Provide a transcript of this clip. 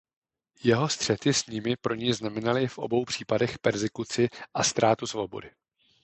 Jeho střety s nimi pro něj znamenaly v obou případech perzekuci a ztrátu svobody.